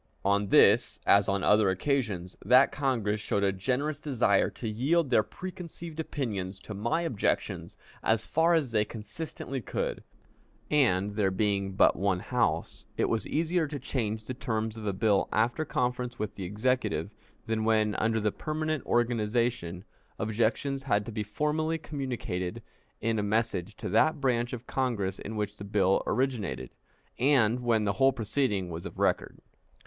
On this, as on other occasions, that Congress showed a generous desire to yield their preconceived opinions to my objections as far as they consistently could, and, there being but one House, it was easier to change the terms of a bill after conference with the Executive than when, under the permanent organization, objections had to be formally communicated in a message to that branch of Congress in which the bill originated, and when the whole proceeding was of record.